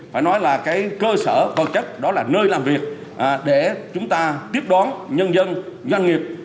phải nói là cơ sở vật chất đó là nơi làm việc để chúng ta tiếp đón nhân dân doanh nghiệp